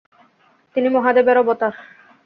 তিনি মহাদেবের অবতার।